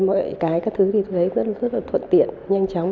mọi cái các thứ thì thuế rất là thuận tiện nhanh chóng